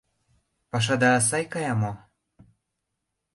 Пашада сай кая мо?